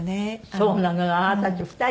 そうなのよ。